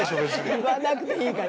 言わなくていいから。